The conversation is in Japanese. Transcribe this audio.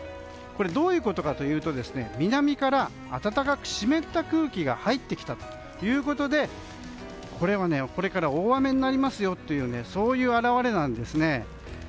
これ、どういうことかというと南から暖かく湿った空気が入ってきたということでこれは、これから大雨になりますよというそういう表れなんですね。